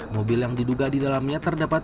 mobil yang diduga di dalamnya terdapat